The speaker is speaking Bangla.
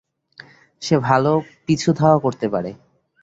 সে ভালো পিছু ধাওয়া করতে পারে।